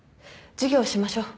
授業しましょう。